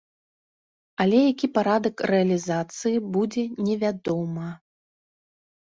Але які парадак рэалізацыі будзе, невядома.